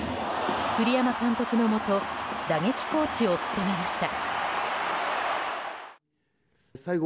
栗山監督のもと打撃コーチを務めました。